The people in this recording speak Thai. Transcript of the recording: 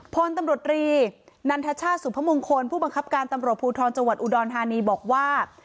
พตรนันทชสุภมพงคลผู้บังคับการณ์ตำรวจภูฒิภูทรจังหวัดอุดรธานีบอกว่า